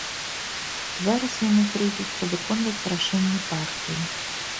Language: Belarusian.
Зараз яму прыйдзецца выконваць рашэнне партыі.